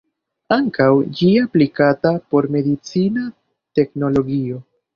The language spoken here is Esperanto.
Ankaŭ ĝi aplikata por medicina teknologio.